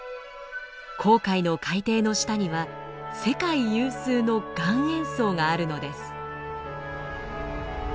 紅海の海底の下には世界有数の岩塩層があるのです。